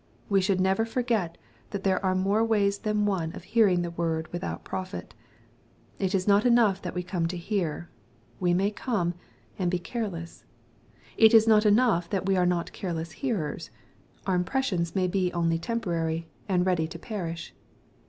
We should never forget that there are more ways than one ol hearing the word without profit. It is not enough that we come to hear. We may come, and be careless. — ^It is not enough that we are not careless hearers. Our impressions may be only teiyiporary, and ready to perish.